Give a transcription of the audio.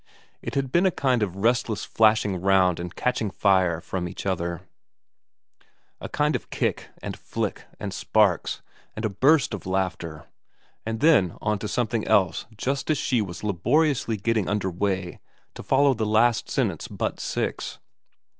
It had been a kind of restless flashing round and catching fire from each other, a kind of kick, and flick, and sparks, and a burst of laughter, and then on to something else just as she was laboriously getting under weigh to follow the last sentence but six.